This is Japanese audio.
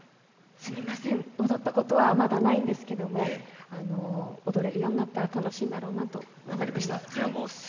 すみません、踊ったことはまだないんですけれども踊れるようになったら楽しいだろうなと思います。